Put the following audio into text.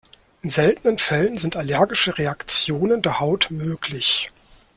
In seltenen Fällen sind allergische Reaktionen der Haut möglich.